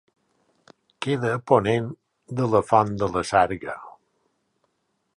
Queda a ponent de la Font de la Sarga.